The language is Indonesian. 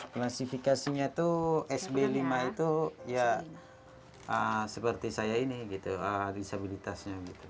klasifikasinya itu sb lima itu ya seperti saya ini gitu disabilitasnya gitu